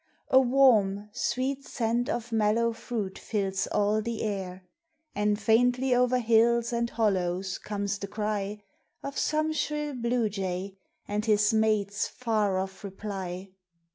A warm, sweet scent of mellow fruit fills all the air, And faintly over hills and hollows comes the cry Of some shrill bluejay, and his mate's far off reply.